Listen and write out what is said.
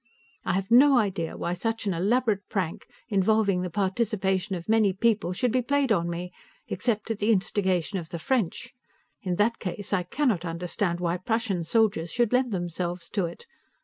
I have no idea why such an elaborate prank, involving the participation of many people, should be played on me, except at the instigation of the French. In that case, I cannot understand why Prussian soldiers should lend themselves to it.